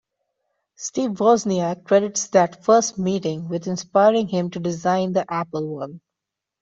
Steve Wozniak credits that first meeting with inspiring him to design the Apple One.